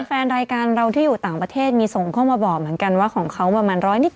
แฟนรายการเราที่อยู่ต่างประเทศมีส่งเข้ามาบอกเหมือนกันว่าของเขาประมาณร้อยนิด